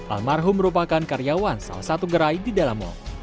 almarhum merupakan karyawan salah satu gerai di dalam mal